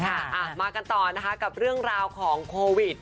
อ่ะมากันต่อนะคะกับเรื่องราวของโควิด